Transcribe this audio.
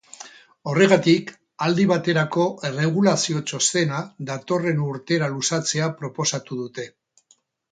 Horregatik, aldi baterako erregulazio txostena datorren urtera luzatzea proposatu dute.